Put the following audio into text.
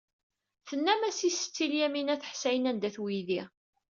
Tennam-as i Setti Lyamina n At Ḥsayen anda-t weydi.